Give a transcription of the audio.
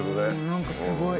何かすごい。